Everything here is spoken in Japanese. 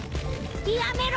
やめろ！